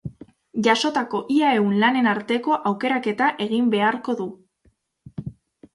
Jasotako ia ehun lanen arteko aukeraketa egin beharko du.